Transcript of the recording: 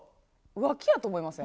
浮気やと思いません？